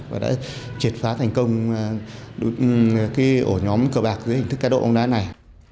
chúng tôi đã triệt phá thành công ổ nhóm cờ bạc dưới hình thức cá độ bóng đá này